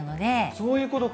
そういうことか！